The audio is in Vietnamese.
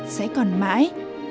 sẽ còn mãi